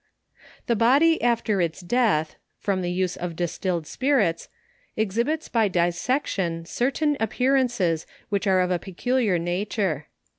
The body after its death, from the use of distilled spirits, exhibits by dissection certain appearances which are of a peculiar nature.